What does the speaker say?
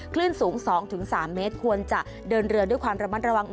คลื่นสูง๒๓เมตรควรจะเดินเรือด้วยความระมัดระวัง